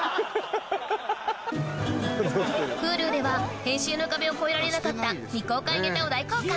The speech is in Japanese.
Ｈｕｌｕでは編集の壁を越えられなかった未公開ネタを大公開！